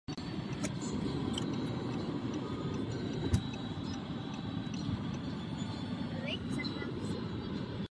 Druhotně se dostal do jižní Afriky i Severní Ameriky.